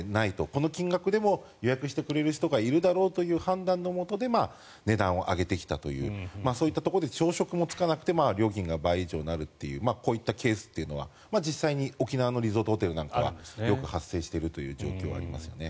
この金額でも予約してくれる人がいるだろうという判断のもとで値段を上げてきたというそういったところで朝食もつかなくて料金も倍以上になるというこういったケースは、実際に沖縄のリゾートホテルなんかでよく発生してるという状況がありますね。